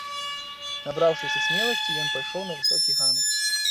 Набраўшыся смеласці, ён пайшоў на высокі ганак.